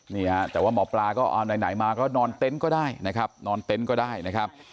นี่ฮะแต่ว่าหมอปลาก็เอาไหนมาก็นอนเต็นต์ก็ได้นะครับ